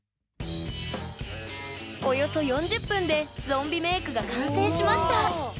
およそ４０分でゾンビメイクが完成しました！